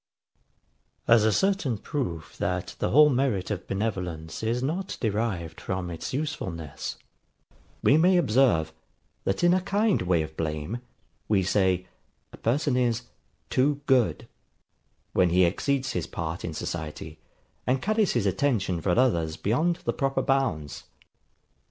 As a certain proof that the whole merit of benevolence is not derived from its usefulness, we may observe, that in a kind way of blame, we say, a person is TOO GOOD; when he exceeds his part in society, and carries his attention for others beyond the proper bounds.